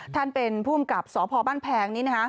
ท่านเป็นภูมิกับสภบ้านแพงนี่นะฮะ